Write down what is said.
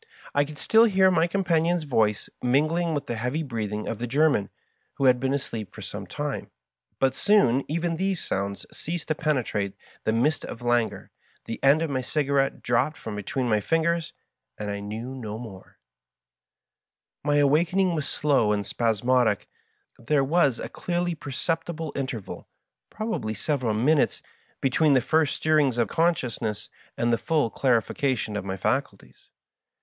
I could still hear my com panion's voice mingling with the heavy breatliing of the German, who had been asleep for some time ; but soon even these sounds ceased to penetrate the mist of lan guor, the end of my cigarette dropped from between my fingers, and I knew no more. Digitized by VjOOQIC 146 M7 FASCINATING FRIEND. My awakening was slow and Bpafimodic. There was a clearly perceptible interval — ^probably several minutes — ^between the first stirrings of consdousness and the full clarification of my faculties.